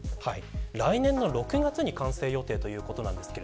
来年の６月に完成予定ということです。